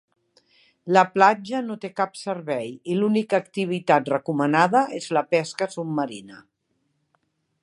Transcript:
La platja no té cap servei i l'única activitat recomanada és la pesca submarina.